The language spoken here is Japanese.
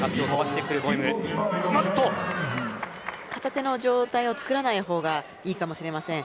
片手の状態をつくらないほうがいいかもしれません。